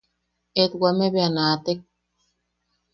Etwame bea naatek.